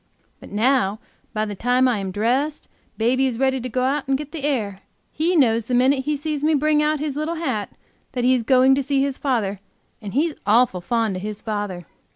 But now by the time I am dressed, baby is ready to go out to get the air; he knows the minute he sees me bring out his little hat that he is going to see his father and he's awful fond of his father.